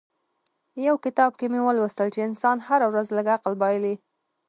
يو کتاب کې مې ولوستل چې انسان هره ورځ لږ عقل بايلي.